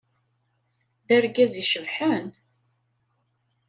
D argaz icebḥen.